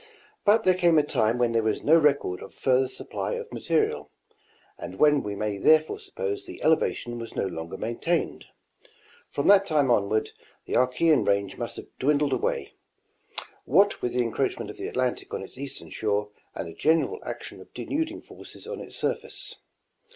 But there came a time when there is no record of further supply of material, and when we may therefore suppose the elevation was no longer maintained. From that time onward, the Archean range must have dwindled away, what with the encroachment of the Atlantic on its eastern shore and the general action of denud ing forces on its surface.